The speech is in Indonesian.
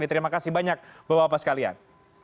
terima kasih banyak bapak bapak sekalian